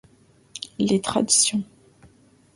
Les traditions !